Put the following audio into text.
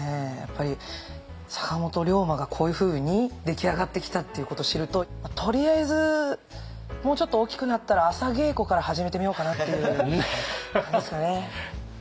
坂本龍馬がこういうふうに出来上がってきたっていうことを知るととりあえずもうちょっと大きくなったら朝稽古から始めてみようかなっていう感じですかね。